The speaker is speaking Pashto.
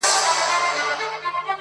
چي د رقیب په وینو سره توره راغلی یمه.!